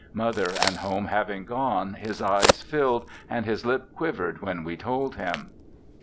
Mother and home having gone, his eyes filled and his lip quivered when we told him.